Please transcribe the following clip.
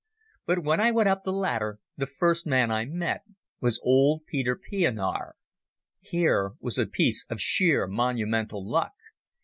But when I went up the ladder the first man I met was old Peter Pienaar. Here was a piece of sheer monumental luck.